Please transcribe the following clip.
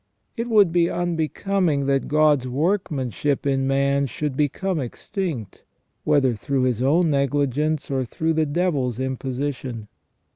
It would be unbecoming that God's workmanship in man should become extinct, whether through his own negligence or through the devil's imposition."